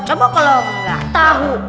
coba kalau nggak tahu